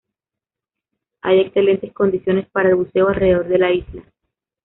Hay excelentes condiciones para el buceo alrededor de la isla.